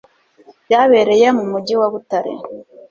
byabereye mu Mujyi wa butare .